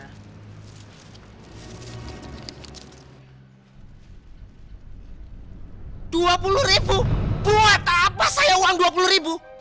rp dua puluh ribu buat apa saya uang dua puluh ribu